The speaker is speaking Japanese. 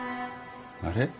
あれ？